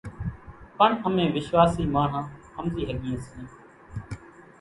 پڻ امين وشواسي ماڻۿان ۿمزي ۿڳيئين سيئين،